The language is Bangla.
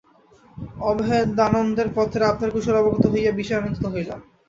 অভেদানন্দের পত্রে আপনার কুশল অবগত হইয়া বিশেষ আনন্দিত হইলাম।